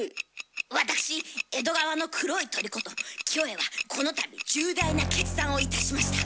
私「江戸川の黒い鳥」ことキョエはこの度重大な決断をいたしました。